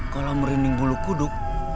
kalau merinding bulu kuduk